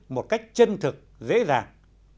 một cách chân thực dễ dàng